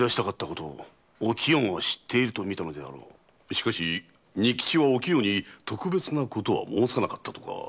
しかし仁吉はお清に特別なことは申さなかったとか。